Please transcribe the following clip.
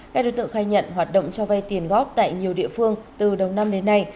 các đối tượng khai nhận hoạt động cho vay tiền góp tại nhiều địa phương từ đầu năm đến nay